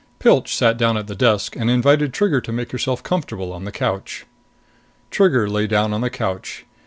Pilch sat down at the desk and invited Trigger to make herself comfortable on the couch. Trigger lay down on the couch.